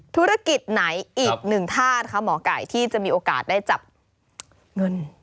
ธุรกิจไหนอีกหนึ่งธาตุนะคะหมอไก่ที่จะมีโอกาสได้จับเงิน